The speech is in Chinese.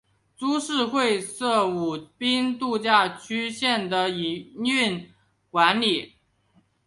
株式会社舞滨度假区线的营运管理。